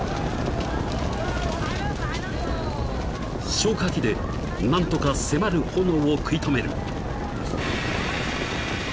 ［消火器で何とか迫る炎を食い止める］